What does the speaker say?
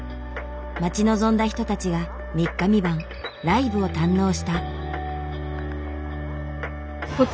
待ち望んだ人たちが三日三晩ライブを堪能した。